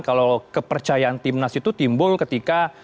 kalau kepercayaan tim nas itu timbul ketika